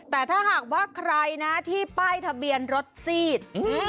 แต่ถ้าหากว่าใครนะที่ป้ายทะเบียนรถซีด